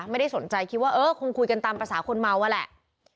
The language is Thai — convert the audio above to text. ไม่ได้สนใจคิดว่าเออคงคุยกันตามภาษาคนเมาอะแหละ